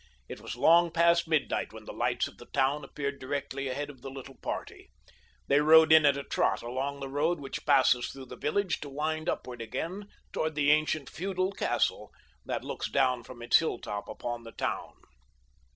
It was long past midnight when the lights of the town appeared directly ahead of the little party. They rode at a trot along the road which passes through the village to wind upward again toward the ancient feudal castle that looks down from its hilltop upon the town.